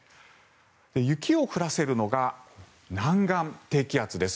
雪を降らせるのが南岸低気圧です。